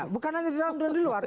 bukan hanya di dalam dan di luar